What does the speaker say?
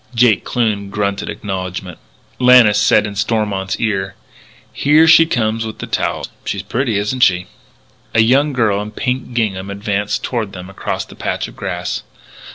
Jake Kloon grunted acknowledgment. Lannis said in Stormont's ear: "Here she comes with towels. She's pretty, isn't she?" A young girl in pink gingham advanced toward them across the patch of grass.